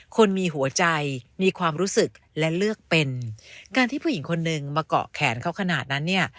คนมีหัวใจมีความรู้สึกและเลือกเป็นการที่ผู้หญิงคนนึงมาเกาะแขนเขาขนาดนั้นเนี่ย